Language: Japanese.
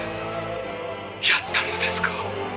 やったのですか？